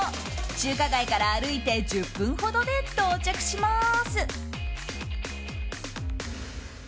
中華街から歩いて１０分ほどで到着します。